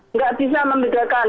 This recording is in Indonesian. tidak bisa membedakan